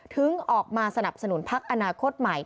ถึงออกมาสนับสนุนภักดิ์อนาคตใหม่